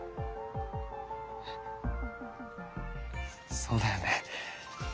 そうだよね。